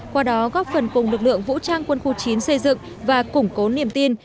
qua đó góp phần cùng lực lượng vũ trang quân khu chín xây dựng và củng cố niềm tin